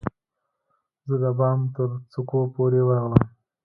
زه د بام ترڅوکو پورې ورغلم